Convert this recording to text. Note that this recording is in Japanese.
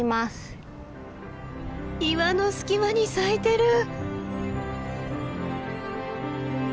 岩の隙間に咲いてる！